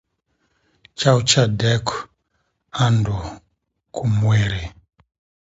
Chaw'ucha deko andu kumweri.